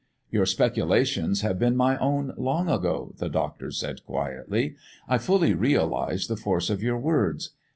"Your speculations have been my own long ago," the doctor said quietly. "I fully realise the force of your words.